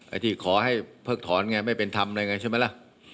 ไอ้ที่ขอให้เพิกถอนไงไม่เป็นธรรมอะไรไงใช่ไหมล่ะ